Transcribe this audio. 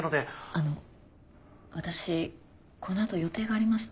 あの私この後予定がありまして。